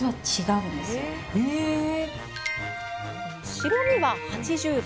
白身は８０℃